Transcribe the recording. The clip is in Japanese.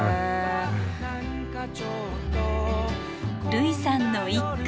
類さんの一句。